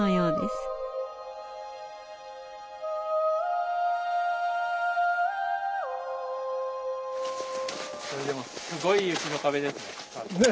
すごい雪の壁ですね。